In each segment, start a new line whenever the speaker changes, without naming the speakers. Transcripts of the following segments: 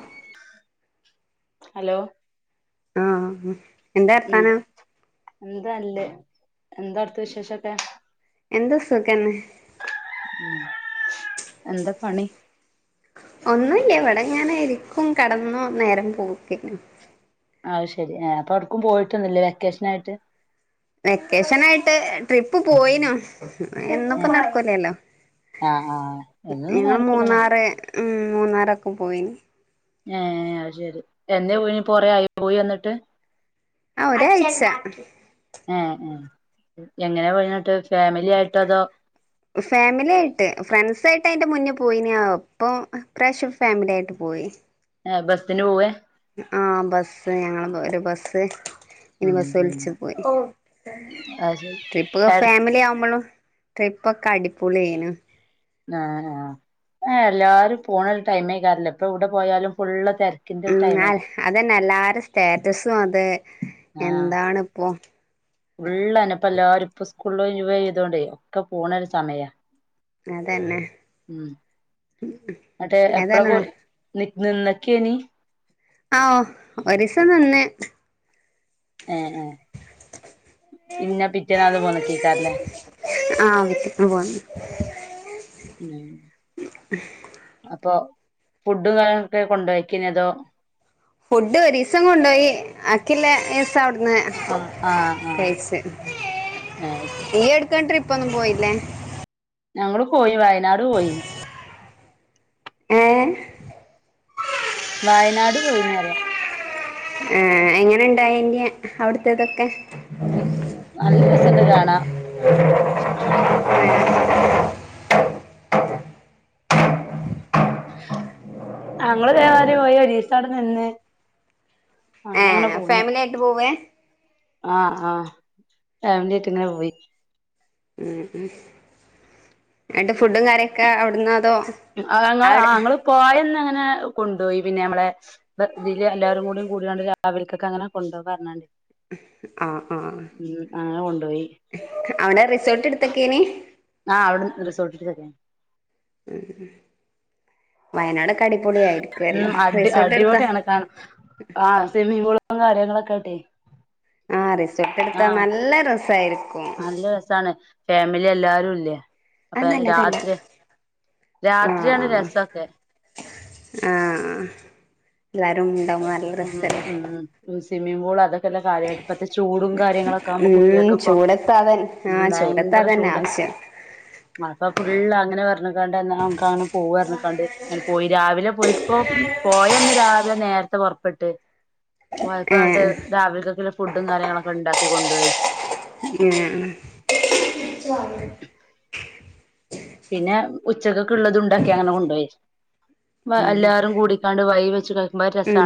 ആ
ഹലോ
ആഹ്
എന്താ എന്താ നല്ലേ എന്താ അടുത്ത വിശേഷൊക്കെ
എന്താ സുഖന്നെ
എന്താ പണി
ഒന്നുല്ല ഇവിടെ ഇങ്ങനെ ഇരിക്കും കടന്നു നേരം പോക്ക
അഹ് ശരി അപ്പൊ എടക്കും പോയിട്ടൊന്നല്ലേ വെക്കേഷൻ ആയിട്ട്
വെക്കേഷൻ ആയിട്ട് ട്രിപ്പ് പോയിനു എന്നു
ഏ
പ്പോ നടക്കൂലല്ലോ
ആഹ് ആഹ് എന്നൊന്നും
ഇന്ന്
നടക്കൂലന്നാ
മൂന്നാറ് ഉം മൂന്നറൊക്കെ പോയിന്
ഏഹ് അഹ് ശരി എന്നെ പോ ഇനി പറ ആയി പോയി വന്നിട്ട്
ആഹ് ഒരായ്ച്ച
എഹ് എഹ് എങ്ങനെ പോയന്നട്ട് ഫാമിലി ആയിട്ട് അതോ
ഫാമിലി ആയിട്ട് ഫ്രണ്ട്സ ആയിട്ട് അയിന്റെ മുന്നേ പോയിന അപ്പം ഫഷ ഫാമിലി ആയിട്ട് പോയി
ആ ബസിന് പോവേ
ആഹ്ബസ് ഞങ്ങള് ഒരു ബസ്സ് ഇനി
ഉം
ബസ്
ഉം
വിളിച്ചു പോയി
അത്
ട്രിപ്പ്
ശരി എട
ഫാമിലി ആവുമ്പോളും ട്രിപ്പ ഒക്കെ അടിപൊളിയനു
ആ ആഹ് എല്ലാരും പോണരു ടൈമേ ക്കാരല്ല ഇപ്പൊ ഇവിടെ പോയാലും ഫുള് തെര
ഉം അല്ലെ അതന്നെ എല്ലാരും സ്റ്റാറ്റസും അത് എന്താണ് ഇപ്പോ
ഉള്ളനപ്പ എല്ലാരും ഇപ്പോ സ്കൂള ഒഴിവായ്തോണ്ടേ ഒക്കെ പോണ ഒരു സമയ
അതന്നെ
ഉം മറ്റേ എപ്പഴ
ഏതായാലും
നി നിന്നക്കേനി
ആ ഒരിസം നിന്ന്
എഹ് എഹ് പിന്നെ പിറ്റനാത് പോന്നക്കാരല്ലേ
ആ പോന്ന്
ഉം അപ്പൊ ഫുഡും കാര് ഒക്കെ കൊണ്ടേയിക്കേനിയേ അതോ
ഫുഡ് ഒീരീസം കൊണ്ടോയി അക്കിള്ള ത്തഒട്ന്ന്
ആഹ് ആഹ് ആഹ്
തയ്ച്ച്
അത് ശരി
ഇയ ക്കാൻ ട്രിപ്പ് ഒന്നും പോയില്ലേ?
ഞങ്ങള് പോയി വയനാട് പോയിനി.
ഏഹ്
വയനാട് പോയിനി റ്യ.
ഏഹ് എങ്ങനെ ണ്ടായിനി അഒട്ത്തതൊക്കെ?
നല്ല രസണ്ട് കാണാ.
ഉ....
ഞങ്ങള് ദേ മാരി പോയി ഒരീസഒടെ നിന്ന്.
ഏ
അങ്ങനാണ്ട് പോന്ന്.
ഫാമിലി ആയിട്ട് പോവേ
ആഹ് ആഹ് ഫാമിലി ആയിട്ട് ങ്ങനെ പോയി.
ഹേ ഹേ ഏണ്ട് ഫുഡും കാര്യൊക്കെ അഒട്ന്ന അതോ?
അഹ് [unintelligible]
അവിടെ
ങ്ങള് പോയന്ന് അങ്ങനെ കൊണ്ടോയി. പിന്നെ നമ്മളെ ഇതില് എല്ലാരും കൂടി കൂടിയാണ്ട് രാവിലക്കൊക്കെ അങ്ങനെ കൊണ്ടോവാ ർഞ്ഞാണ്ട്.
ആഹ് ആഹ്
കൊണ്ടുപോയി
അഒടെ റിസോർട്ട് ട്ത്തക്കെനി?
ആഹ് അഒട് റിസോർട്ടിട്ട് ക്കേനി.
[unintelligible] വയനാട് അടിപൊളിയിരിക്കുല്ലോ
ഉം
റിസോർട്ട് ട്ത്താ.
ആഹ് സിമ്മിങ് പൂള് കാര്യങ്ങളൊക്കെട്ടെ
ആഹ് റിസോട്ടട്ത്താ നല്ല രസായിരിക്കും.
നല്ല രസാണ് ഫാമിലി എല്ലാരും ല്ലേ. അപ്പ
അത് നല്ലതല്ല
രാത്രി രാത്രിയാണ് രസക്കെ.
ആഹ് എല്ലാരും ണ്ടാവുമ്പോ ന
ഉം ഉം സ്വിമ്മിംഗ് പൂൾ അതക്കെല്ലേ കാര്യായി ഇപ്പത്തെ ചൂടും കാര്യങ്ങളൊക്കെ ആകുമ്പോ
ഉം
കുട്ട്യേക്ക് പ്പൊ
ചൂടത്താതൻ ആ
ഉം ഭയങ്കര
ചൂടത്താതന്നെ
ചൂട്
ആവശ്യം
അപ്പ ഫുള്ള് അങ്ങനെ പർഞ്ഞ്ക്കാണ്ട് ന്ന കാണ് പോവാ പർഞ്ഞ്ക്കാണ്ട് ഞ പോയി. രാവിലെ പോയിപ്പോ പോയന്ന് രാവിലെ നേര്ത്തെ പൊർ ട്ട്
ഏ
കൊഴപ്പായിട്ട് രാവിലത്തേക്ക്ള്ള ഫുഡും കാര്യങ്ങളൊക്കെ ണ്ടാക്കി കൊണ്ടോയി.
ഏഹ് ചാല
പിന്നെ ഉച്ചകക്ക്ള്ളത് ണ്ടാക്കി അങ്ങനെ കൊണ്ടോയി. എല്ലാരും കൂടി ക്കാണ്ട് വഴി വെച്ച് ക
ഉം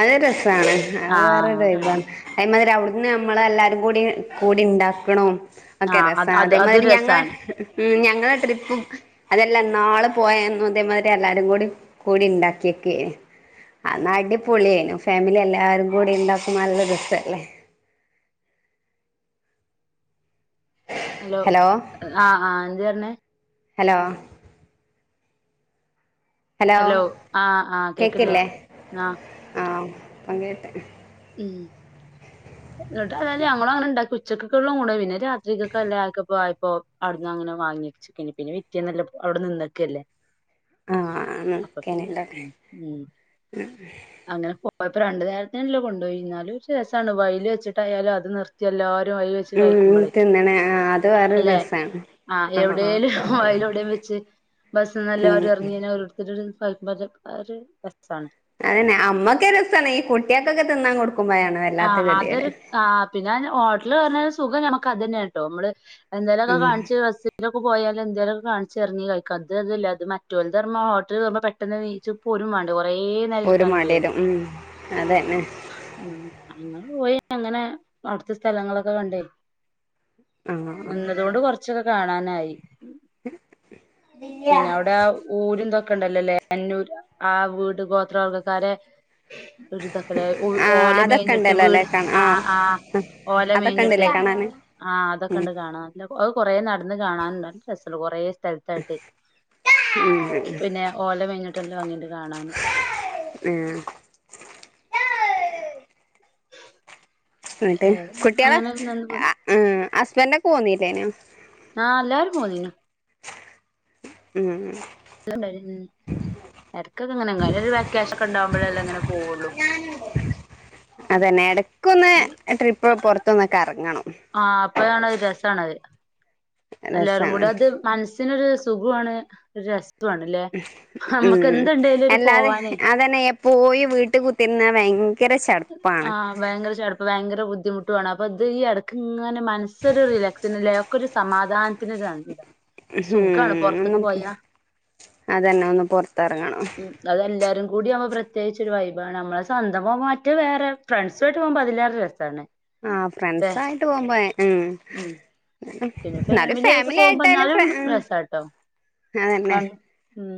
അഹ് രസാണ് അഹ് വേറെ
ആഹ്
വൈബ. അയ്മതര അഒട്ന്ന് നമ്മള എല്ലാരും കൂടി കൂടി ണ്ടാക്ക്ണും ഒക്കെ
ആഹ് അത്
രസാ.
അത് അതൊരു
അതേമാതിരി ഞങ്ങളെ
രസാണ്
ഉം ഞങ്ങളെ ട്രിപ്പും അതെല്ല ഇന്നാള് പോയന്നും ഇതേമാതിരി എല്ലാരും കൂടി കൂടി ണ്ടാക്കിയക്കേനി. അന്ന് അടിപൊളിയേനു ഫാമിലി എല്ലാരും കൂടി ണ്ടാക്കും നല്ല രസല്ലേ.
ഹലോ ആഹ് ആഹ് എന്തേ ർഞ്ഞേ?
ഹലോ? ഹലോ കേക്കില്ലേ
ആഹ്
ആഹ് പ്പം കേട്ട്.
ഉം ന്ന്ട്ട് അതായത് ഞങ്ങളും അങ്ങനെ ണ്ടാക്കി ഉച്ചക്ക് ക്ക്ള്ളോം കൊണ്ടോയി പിന്നെ. രാത്രികക്കെല്ലേ അഹക്കപ്പോ ആയപ്പോ അഒട്ന്ന് അങ്ങനെ വാങ്ങിച്ച് പിന്നെ പിന്നെ പിറ്റേന്നല്ല അഒടെ നിന്നക്കെ ല്ലേ.
ആഹ്
അപ്പൊ
അങ്ങനെക്കേന്ല്ലേ
ഉം ഉം
ഉം
അങ്ങനെ പോയപ്പോ രണ്ട് നേരത്തിനല്ലേ കൊണ്ടോയിനേ ന്നാലും ഒരു രസാണ് വൈല് വെച്ചിട്ടായാലും അത് നിർ എല്ലാരും അയിൽ വെച്ച്
ഉം
കഴിക്കുമ്പളേ
തിന്നണേ ആഹ് അത് വേറൊരു
അല്ലെ?
രസാണ്
ആഹ് എവിടെലും വായലും എഒടെ വെച്ച് ബസ്സ്
ഉം
നല്ലാരും എർങ്ങിനോ [unintelligible] രസാണ്
അതന്നെ അമ്മക്കഹ് രസാണ് ഈ കുട്ട്യേക്കൊക്കെ തിന്നാൻ കൊടുക്കുമ്പോഴാണ്. വല്ലാത്ത
ആഹ്
ഗതികേട്
അതൊരു ആഹ് പിന്നെ ഹോട്ടല് കേറണല് സുഖം ഞമ്മക്ക് അതനെ കേട്ടോ നമ്മള് എന്തെങ്കിലുമൊക്കെ
ഉം
കാണിച്ച് റെസ് ഇലൊക്കെ പോയാല എന്തേലും കാണിച്ച്റങ്ങി കഴിക്ക അത് അതല്ല അത് മറ്റോലതുറഞ്ഞ ഹോട്ടലി കേറുമ്പോൾ പെ പെട്ടെന്ന് വീച്ചും പോരും വേണ്ടേ കുറേ
ഒരു മടിയിലും ഉം അതന്നെ
ഉം അങ്ങൾ പോയി അങ്ങനെ അവിടുത്തെ സ്ഥലങ്ങളൊക്കെ കണ്ടേ
ആഹ്
നിന്നതുകൊണ്ട് കൊറച്ചൊക്കെ കാണാനായി. പിന്നെ അവിടെ ഊരന്തൊക്കെ ഉണ്ടല്ലോല്ലേ അന്നൂർ ആ വീട് ഗോത്രവർഗ്ഗക്കാരെ ഒരുരിതാക്കല
ആഹ്
ഓല
അതൊക്കെ
മേഞ്ഞിട്ട്
ഉണ്ടല്ലോല്ലേ
വീട്
കാണ
ആഹ് ആഹ്
അതൊക്കെ
ഓലമേഞ്ഞിട്ട്
ഉണ്ടല്ലേ കാണാന്
ആഹ് അതൊക്കെണ്ട് കാണാ അത് കൊറേ നടന്ന് കാണാനണ്ടല്ല നല്ല രസമുണ്ട് കുറേ സ്ഥലത്തായിട്ട്.
[inaudible]
പിന്നെ ഓല മേഞ്ഞിട്ടല്ലോ നല്ല ഭംഗി ഉണ്ട് കാണാനേ
ഉം എന്നിട്ട്
ഏഹ്
കുട്ടികളെ
അങ്ങനെ
ആഹ് ഹസ്ബൻഡ ഒക്കെ പോന്നില്ലേനോ
ആഹ എല്ലാരും പോന്നിന്നു.
ഉം
ഇടക്കൊക്കെ ഇങ്ങനെങ്ങനെ ഒരു വെക്കേഷൻ ഒക്കെ ഉണ്ടാവകുമ്പോഴേ അല്ലാം അങ്ങനെ പോവുള്ളു
അതന്നെ ഇടക്കൊന്ന് ട്രിപ്പ് പുറത്തൊന്നൊക്കെ ഇറങ്ങണം
ആഹ അപ്പണത് രസണത് എല്ലാരും
രസാണ്
കൂടി അത് മന സ്സിനൊരു സുഖാണ് രസ
ഉം
ഒരു
അല്ലാതെ
പോവാനേ
അതന്നെ എ പോയി വീട്ടിൽ കുത്തിരുന്ന ഭയങ്കര ചെറുപ്പാണ്
ആഹ് ഭയങ്കര ചെടപ്പ് ഭയങ്കര ബുദ്ധിമുട്ടുണ് അപ്പോൾ ഇത് ഈ ഇടക്ക ഇങ്ങനെ മനസ്സൊരു റിലാക്സ്സല്ല ഒക്കെ ഒരു സമാധാനം ഒരിത് ആണ് സുഖാണ് പുറത്തക്ക് പോയാ
അത് തന്നെ ഒന്ന് പുറത്തിറങ്ങണം
ഉം അതെല്ലാരും കൂടി അവ പ്രത്യേകിച്ച് ഒരു വൈബാണ് നമ്മളെ സ്വന്തമാ ത് വേറെ ഫ്രണ്ട്സുയിട്ട് പോകുമ്പോ അതിലേറെ രസാണ്.
ആഹ് ഫ്രണ്ട്സ
ല്ലേ
ആയിട്ട് പോകുമ്പോ ഉം
ഉം പിന്നെ
എന്നാലും
ആയിട്ട്
ഫാമിലി
പോകുമ്പോ
ആയിട്ടാലും
എന്നാലും
ഫ്ര ഉം
രസാട്ടോ
അതന്നെ
ഉം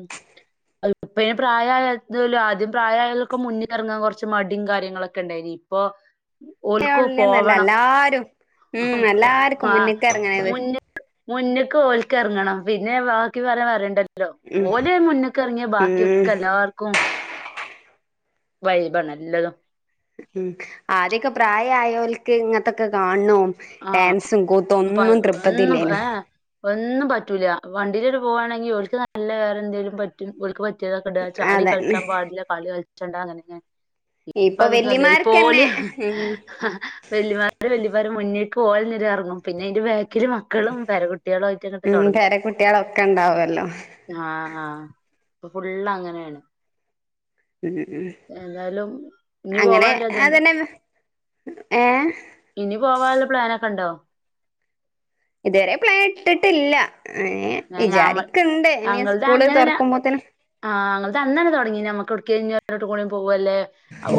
ഇപ്പന് പ്രായല്ല ആദ്യം പ്രായായൊക്കെ മുന്നിൽ ഇറങ്ങാൻ കുറച്ച് മടിയും കാര്യങ്ങളൊക്കെ ഉണ്ടായിന് പ്പൊ ഓൽക്കും
ന്നല്ല
പോവണം
എല്ലാരും ഉം എല്ലാർക്കും
ആഹ്
മുന്ന്ക്ക് എറങ്ങണത്
മുന്ന മുന്ന്ക്ക് ഓൽക്കെറങ്ങണം പിന്നെ ബാക്കി പറയാൻ പറയണ്ടല്ലോ ലോ
ഉം
ഓല് മുന്ന്ക്കെറങ്ങിയ
ഉം
ബാക്കിയൊക്കെ എല്ലാർക്കും വൈബാണ് എല്ലതും
ഉം ആദ്യൊക്കെ പ്രായായോൽക്ക് ഇങ്ങത്തൊക്കെ കാണോ
ആഹ്
ഡാൻസും കൂത്തും
പ
ഒന്നും
ഒന്നും
തൃപ്തത്തില്ലേനു
ഏ ഒന്നും പറ്റൂല വണ്ടിയിലടെ പോവുകാണെങ്കിൽ ഓൽക്ക് നല്ല വേറെ എന്തേലും പറ്റും ഓൽക്ക് പ [unintelligible] ചാടി കളിച്ചാ
അതന്നെ
പാടില്ല കളി കളിച്ചണ്ട അങ്ങനെ ഇങ്ങനെ ഇപ്പ
ഇപ്പൊ
അതൊന്നുംഅല്ല
വല്യമാർക്കന്നെ
ഇപ്പോലും
ഉം
വെല്ലിമാരും വെല്ലിമാരും മുന്നിക്ക് ഓൽ ങ്ങെറങ്ങും പിന്നെ അതിന്റെ ബേക്കിൽ മക്കളും പേരകുട്ടികളും ആയിട്ട് അങ്ങട്ട്
ഉം
തുടങ്ങല്ലെപ്പം
പേരക്കുട്ടികളൊക്കെ ഇണ്ടാവല്ലോ
ആഹ് ആഹ് അപ്പൊ ഫുള്ള് അങ്ങനെയാണ്
ഉം ഉം
ഏതായാലും ഇഞ്ഞ്
അങ്ങനെ
പോവാനുള്ള ഇതുണ്ടോ
അതന്നെ ഏഹ്?
ഇനി പോവാനുള്ള പ്ലാനൊക്കെ ഉണ്ടോ?
ഇതരെ പ്ലാൻ ഇട്ടിട്ടില്ല എഹ്
ഞ ഞമ്മ
വിചാരിക്കുണ്ട് ഇനി
ഞങ്ങൾത്
സ്കൂള്
അങ്ങനെ
തുറക്കുമ്പോത്തന്
ആഹ് ങ്ങൾതന്നന്നെ തുടങ്ങി നമക്ക്ടക്ക [unintelligible] പോവല്ലേ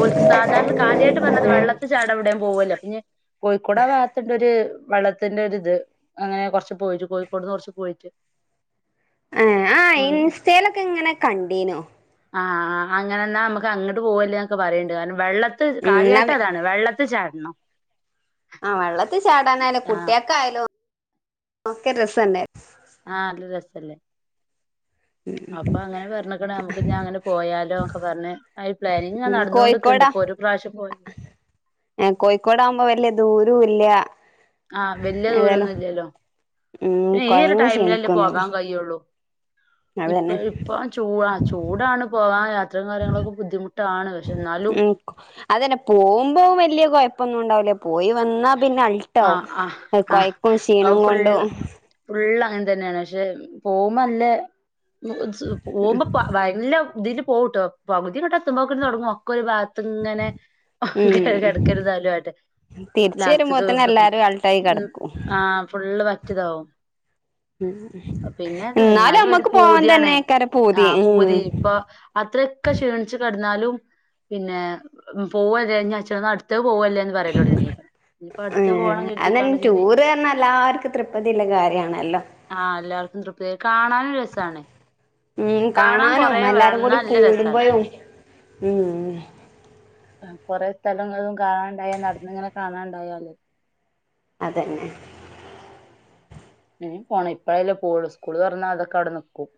ഓല്ക് സാധാരണ കാര്യമായിട്ട് പറഞ്ഞത് വെള്ളത്തി ചാട എവിടൻ പോവല്ലേ പിന്നെ കോഴിക്കോടാ ഭാഗത്ത്ണ്ട് ഒരു വെള്ളത്തിന്റെ ഒരിത് അങ്ങനെ കൊർച്ച് പോയിട്ട് കോഴിക്കോട്ന്ന് കൊർച്ച് പോയിട്ട്,
ഏഹ് ആഹ്
ഉം
ഇൻസ്റ്റയിലൊക്കെ ഇങ്ങനെ കണ്ടീനു,
ആഹ് അങ്ങനന്നാ നമുക്ക് അങ്ങട്ട് പോകല്ലേ എന്നൊക്കെ പറയണ്ട് കാരണം വെള്ള
ഉം ന്നാ
കാര്യയിട്ട് അതാണ് വെള്ളത്തിൽ ചാടണം,
ആഹ്, വെള്ളത്തിൽ ചാടാനായാലും
ആഹ്
കുട്ടിയക്കെ ആയാലും ക്കെ രസം തന്നെ,
ആഹ് നല്ല രസല്ലേ, അപ്പൊ അങ്ങനെ പറഞ്ഞിക്കണ നമ്ക്ക് ഇനി അങ്ങനെ പോയാലോ ഒക്കെ പറഞ്ഞ് ഈ പ്ലാനിങ്
ഉം
നടന്നോണ്ട് ക്ണ്ട്
കോഴിക്കോടാ
ഇപ്പൊ ഒരു പ്രാവശ്യം പോയി,
ഏഹ്, കോഴിക്കോടാകുമ്പോ വല്യ ദൂരോ ഇല്യ
ആഹ് വല്യ
ഏതാലും
ദൂരൊന്നും ഇല്ലല്ലോ
ഉം കൊയങ്ങി ക്ഷീണിക്കുംന്നൂല്യ
കയ്യോള്ളൂ, ഇപ്പ ഇപ്പ ചൂട ചൂടാണ് പോവാ യാത്രയും കാര്യങ്ങളൊക്കെ ബുദ്ധിമുട്ടാണ് പക്ഷെ എന്നാലും,
ഉം അതന്നെ പോകുമ്പോം വലിയ കുഴപ്പൊന്നും ഉണ്ടാവൂല, പോയി വന്നാ പിന്നെ അൾട്ടാവും
ആഹ് ആഹ് ആഹ്
കൊയക്കും
അത്
ക്ഷീണും കൊണ്ടും,
ഫുള്ള് ഫുള്ള് അങ്ങനെ തന്നെയാണ് പക്ഷെ പോകുമ്പോ ല്ലെ, പോകുമ്പോ നല്ല ഇതില് പോകുട്ടോ പകുതിങ്ങോട്ടത്തുമ്പോക്ക തുടങ്ങും ഒക്കെ ഒരു ഭാ ഗത്ത് ഇങ്ങനെ
ഉം
കിടക്കരുതാലുമായിട്ട്,
തിരിച്ച്
ലാസ്റ്റുക്ക്‌
വരുമ്പോത്തിന്
എടെത്തും
എല്ലാരും അൾട്ടായി കെടക്കും
ആഹ് ഫുള്ള് പറ്റിയതാവും, പിന്നെ എന്നാലും ഒരു
നമ്മക്ക് പോവാൻ
പൂതിയണേ
തന്നെക്കാരം പൂതി
ആഹ് പൂതി
ഉം
ഇപ്പൊ, അത്രൊക്കെ ക്ഷീണിച്ചു കിടന്നാലും പിന്നെ പോവല്ലേച്ച അടുത്ത പോവല്ലേ, പറയലൊടങ്ങി,
ഏഹ്, അതെ ടൂറ് ന്നർഞ്ഞ എല്ലാർക്കും തൃപതി ള്ള കാര്യണല്ലോ,
ആഹ്, എല്ലാർക്കും തൃപ്തിക കാണാനും രസാണ്,
ഉം
കാണാൻ കൊറേ
കാണാനും,
വേണം
എല്ലാരും
ഇന്നാ
കൂടി
നല്ല
കൂടുമ്പോഴും ഉം,
കൊറെ സ്ഥലങ്ങളും കാണാണ്ടായ നടന്നിങ്ങനെ കാണാണ്ടായാലേ,
അതന്നെ,
വേം പോണം ഇപ്പഴല്ലേ പോവൂളളൂ സ്കൂള് തൊറന്ന അതൊക്കെ അവിടെ നിക്കും,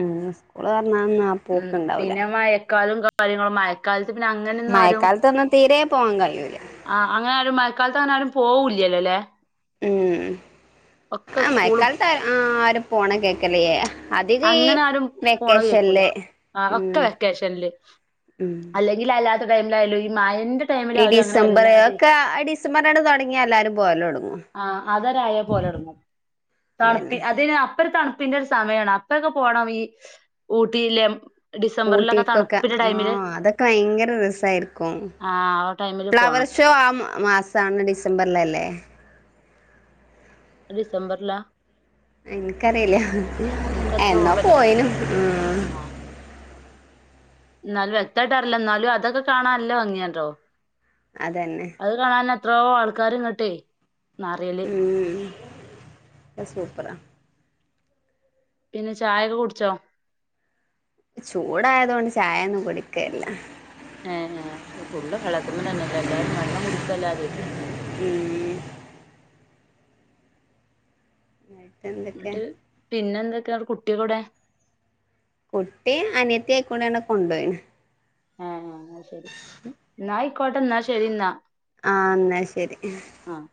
ഉം സ്കൂള് തൊർന്ന ന്നാ
ഉം പിന്നെ മഴക്കാലം കാര്യങ്ങളും മഴക്കാലത്ത് പിന്നെ അങ്ങനെ,
മഴക്കാലതൊന്നും തീരെ പോവാൻ കഴിയൂല,
ആ അങ്ങനാരും മഴക്കാലത്ത് അങ്ങനെ ആരും പോവൂ ഇല്ലല്ല
മ് ആ
സ്കൂള്
മയക്കാലത്ത് ആരും പോണം കേക്കല്യെ
അങ്ങനെ ആരും പോണ കേക്കൂല ആ
ഉം
ഒക്കെ വെക്കേഷന്ല്
ഉം
അല്ലെ ഇ അല്ലാത്ത ടൈമിലായാലോ ഈ മഴന്റെ ടൈമിൽ
ഈ
ആരും അങ്ങനെ
ഡിസംബർ
വല്ലാതെ
ഒക്കെ ഡിസംബറണ് തൊടങ്ങിയ എല്ലാരും പോയല്ലൊടങ്ങു
ആ അതരായ പോലെ ഇടും തണുപ്പി
അതന്നെ
അതി അപ്പം തണുപ് പിന്നെ ഒരു സമയാണ് അപ്പൊക്കെ പോണം ഈ ഊട്ടിയില്
ഊട്ടിക്കൊക്കെ ആ അതൊക്കെ ഭയങ്കര രസായിരിക്കും
ആ ആ ടൈമില്
ഫ്ലവർ
പോണം
ഷോ ആ മാസാണ് ഡിസംബറിലല്ലേ
അ ത്ഡിസംബറി ല
ഇൻക്കറിയില്ല
എനിക്ക് അത്ര
എന്നാ
ഓർമ്മല്ല
പോയിനു മ്
ന്നാലും വ്യക്തായിട്ട് അറില്ല ന്നാലും അതൊക്കെ കാണാനല്ല ഭങ്ങിയാണല്ലോ
അതന്നെ
അത് കാണാൻ എത്രോ ആൾക്കാർങ്ങട്ടെ നർയ്
മ് അ സൂപ്പറാ
പിന്നെ ചായൊക്കെ കുടിച്ചോ
ചൂടായതൊണ്ട് ചായയൊന്നും കുടിക്കലില്ല
ഏ ഫുള്ള് വെള്ളതിമ്മേ തന്നെയല്ലേ എല്ലാരും വെള്ളം കുടിക്കല്ലാതെ
മ് മയ്‌
ന്ന്ട്ട് പിന്നെ എന്തൊക്കെടെ കുട്ടിയളൊടെ
കുട്ടിയെ അനിയത്തി ആയിക്കൂടെട് കൊണ്ടോയിന്
ഏഹ് ന്ന ശരി ന്നായിക്കൊട്ടെ ന്നാ ശരിന്നാ
ആഹ് ന്നാ ശരി
അഹ്